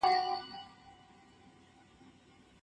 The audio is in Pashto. د کور رازونه ساتل واجب دي.